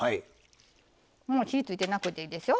もう火付いてなくていいですよ。